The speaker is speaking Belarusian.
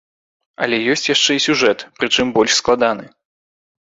Але ёсць яшчэ і сюжэт, прычым больш складаны.